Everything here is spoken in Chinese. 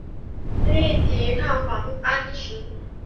力抵王安石。